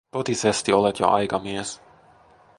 Totisesti olet jo aikamies.